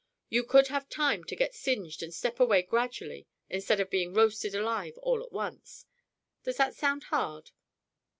You could have time to get singed and step away gradually instead of being roasted alive all at once. Does that sound hard?"